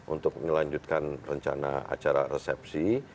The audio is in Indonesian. untuk melanjutkan rencana acara resepsi